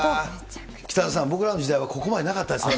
北澤さん、僕らの時代はここまでなかったですもんね。